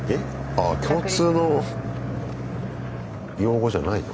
ああ共通の用語じゃないの？